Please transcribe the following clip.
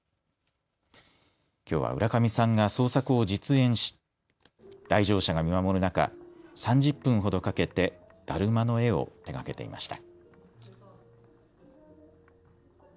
きょうは浦上さんが創作を実演し来場者が見守る中、３０分ほどかけてだるまの絵を手がけていました。